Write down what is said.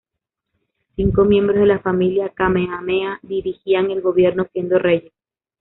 Cinco miembros de la familia Kamehameha dirigirían el gobierno siendo reyes.